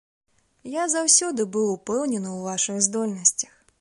Я заўсёды быў упэўнены ў вашых здольнасцях.